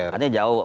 jauh maksudnya jauh